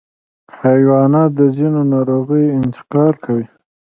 حیوانات د ځینو ناروغیو انتقال کوي.